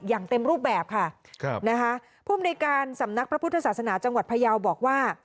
อย่างเต็มรูปแบบค่ะครับนะคะภูมิในการสำนักพระพุทธศาสนาจังหวัดพยาวบอกว่า